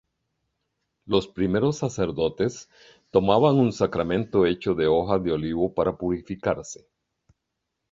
Los primeros sacerdotes tomaban un sacramento hecha de hojas de olivo para purificarse.